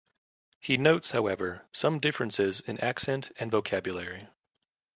He notes, however, some differences in accent and vocabulary.